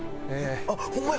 あっホンマや！